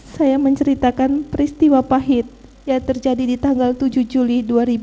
saya menceritakan peristiwa pahit yang terjadi di tanggal tujuh juli dua ribu dua puluh